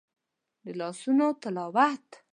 د لاسونو تلاوت